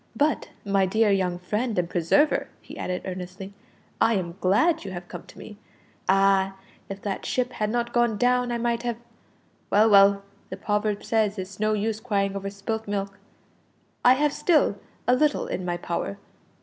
"But, my dear young friend and preserver," he added earnestly, "I am glad you have come to me. Ah! if that ship had not gone down I might have well, well, the proverb says it's of no use crying over spilt milk. I have still a little in my power.